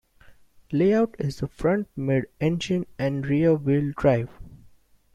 Layout is front mid-engined and rear-wheel drive.